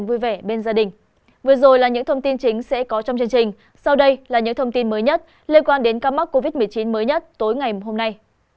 vừa rồi là những thông tin chính sẽ có trong chương trình sau đây là những thông tin mới nhất liên quan đến ca mắc covid một mươi chín mới nhất tối ngày hôm nay